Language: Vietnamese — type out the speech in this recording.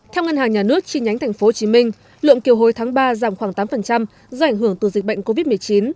theo ngân hàng nhà nước chi nhánh tp hcm lượng kiều hối tháng ba giảm khoảng tám do ảnh hưởng từ dịch bệnh covid một mươi chín